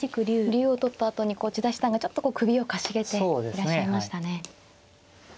竜を取ったあとに千田七段がちょっと首をかしげていらっしゃいましたね。